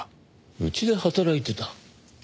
うちで働いてた？